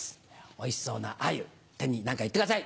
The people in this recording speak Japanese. おいしそうな鮎手に何か言ってください。